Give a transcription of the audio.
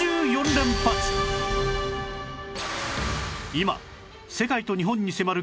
今世界と日本に迫る危険生物